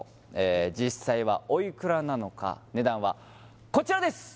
実際はおいくらなのか値段はこちらです